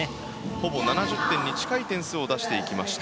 ほぼ７０点に近い点数を出していきました。